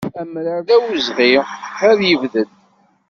Amrar d awezɣi ad yebded.